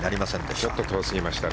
ちょっと遠すぎましたね。